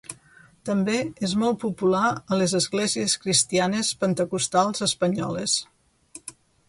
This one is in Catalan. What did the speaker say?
També és molt popular a les esglésies cristianes pentecostals espanyoles.